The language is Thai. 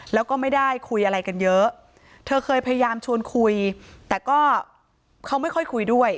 แล้วก็ไม่ได้คุยอะไรกันเยอะเธอเคยพยายามชวนคุยแต่ก็เขาไม่ค่อยคุยด้วย